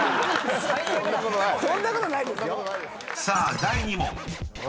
［さあ第２問］